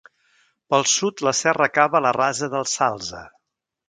Pel sud la serra acaba a la rasa del Sàlzer.